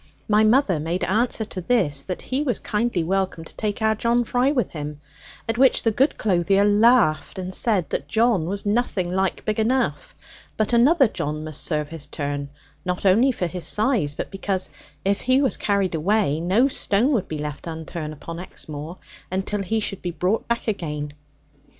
My mother made answer to this that he was kindly welcome to take our John Fry with him; at which the good clothier laughed, and said that John was nothing like big enough, but another John must serve his turn, not only for his size, but because if he were carried away, no stone would be left unturned upon Exmoor, until he should be brought back again.